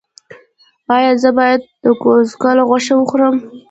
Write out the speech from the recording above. ایا زه باید د ګوساله غوښه وخورم؟